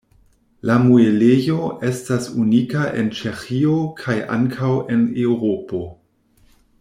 La muelejo estas unika en Ĉeĥio kaj ankaŭ en Eŭropo.